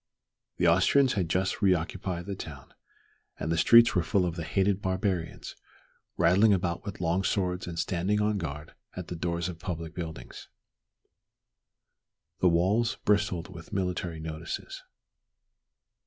The Austrians had just re occupied the town, and the streets were full of the "hated barbarians," rattling about with long swords and standing on guard at the doors of public buildings. The walls bristled with military notices.